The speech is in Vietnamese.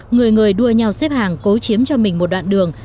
người người đua nhau xếp hàng cố chiếm cho mình một đoạn đường